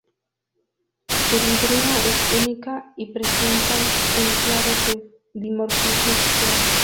Su librea es única y presenta un claro dimorfismo sexual.